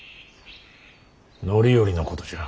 範頼のことじゃ。